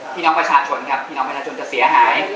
พี่น้องประชาชนกับพี่น้องประชาชนจะเสียหาย